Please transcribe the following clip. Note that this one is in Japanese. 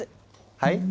はい？